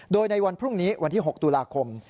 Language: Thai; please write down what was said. โดยในวันพรุ่งนี้วันที่๖ตุลาคม